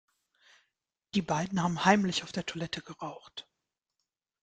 Die beiden haben heimlich auf der Toilette geraucht.